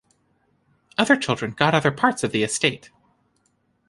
Other children got other parts of the estate.